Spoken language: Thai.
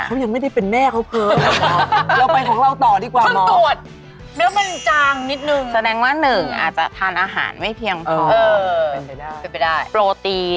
ที่แบงค์ได้ไหมคะไม่ได้